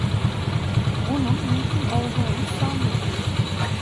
Bunun mümkün olduğunu sanmıyorum.